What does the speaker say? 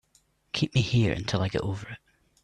Keep me here until I get over it.